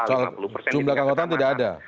soal jumlah keanggotaan tidak ada